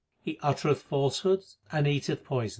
He uttereth falsehood and eat eth poison.